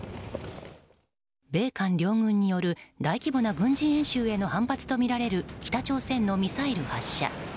米韓両軍による大規模な軍事演習への反発とみられる北朝鮮のミサイル発射。